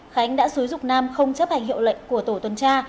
khánh đã xúi dục nam không chấp hành hiệu lệnh của tổ tuần tra